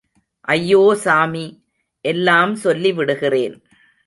ஐயோ சாமி, எல்லாம் சொல்லிவிடுகிறேன்.